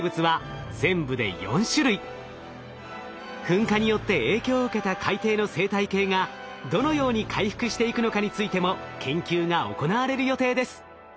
噴火によって影響を受けた海底の生態系がどのように回復していくのかについても研究が行われる予定です。